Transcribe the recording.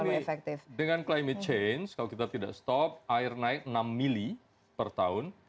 karena begini dengan climate change kalau kita tidak stop air naik enam mili per tahun